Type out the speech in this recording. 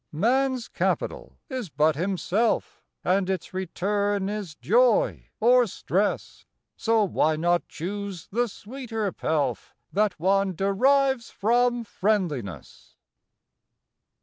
Man s capital is but himself, And its return is joy or stress, So why not choose the sweeter pelf That one derives from friendliness?